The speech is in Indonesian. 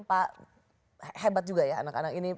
pak hebat juga ya anak anak ini